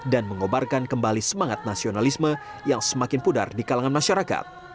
mengobarkan kembali semangat nasionalisme yang semakin pudar di kalangan masyarakat